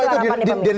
itu harapan di pemirsa